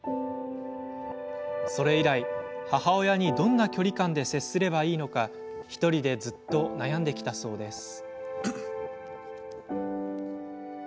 それ以来、母親にどんな距離感で接すればいいのか１人で、ずっと悩んできたそうです。